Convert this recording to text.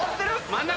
真ん中。